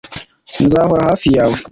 nzahora hafi yawe.